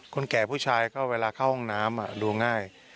แก่ผู้ชายก็เวลาเข้าห้องน้ำดูง่าย